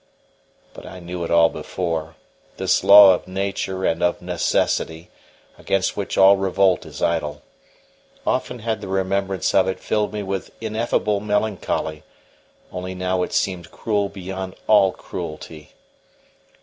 But I knew it all before this law of nature and of necessity, against which all revolt is idle: often had the remembrance of it filled me with ineffable melancholy; only now it seemed cruel beyond all cruelty.